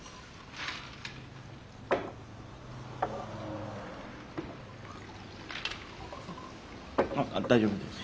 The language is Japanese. あっ大丈夫です。